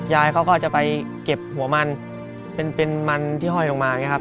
ยายเขาก็จะไปเก็บหัวมันเป็นมันที่ห้อยลงมาอย่างนี้ครับ